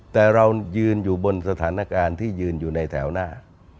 แต่เรายืนอยู่บนสถานการณ์ที่ยืนอยู่ในแถวหน้า